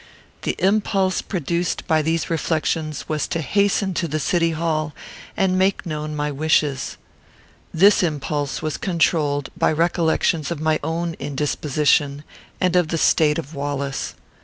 The impulse produced by these reflections was to hasten to the City Hall, and make known my wishes. This impulse was controlled by recollections of my own indisposition, and of the state of Wallace.